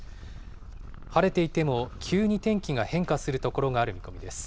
晴れていても急に天気が変化する所がある見込みです。